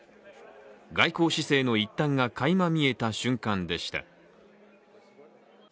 外交姿勢の一端がかいま見えた瞬間でした。